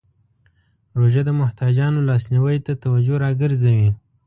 روژه د محتاجانو لاسنیوی ته توجه راګرځوي.